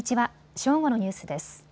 正午のニュースです。